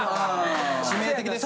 致命的です。